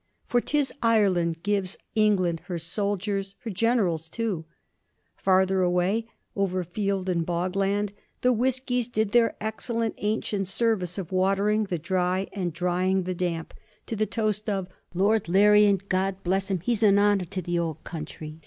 For 'tis Ireland gives England her soldiers, her generals too. Farther away, over field and bogland, the whiskies did their excellent ancient service of watering the dry and drying the damp, to the toast of 'Lord Larrian, God bless him! he's an honour to the old country!'